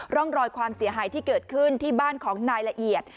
ร่องรอยความเสียหายที่เกิดขึ้นที่บ้านของนายละเอียด